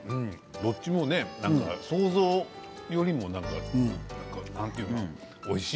どちらも想像よりもなんかおいしい。